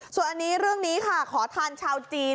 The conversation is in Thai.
ส่วนอันนี้เรื่องนี้ค่ะขอทานชาวจีน